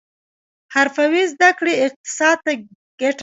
حرفوي زده کړې اقتصاد ته ګټه لري